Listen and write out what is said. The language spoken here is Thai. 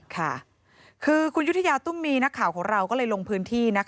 ค่ะคือคุณยุธยาตุ้มมีนักข่าวของเราก็เลยลงพื้นที่